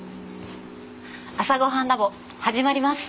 「朝ごはんＬａｂ．」始まります。